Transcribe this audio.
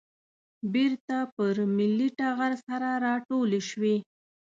بېرته پر ملي ټغر سره راټولې شوې.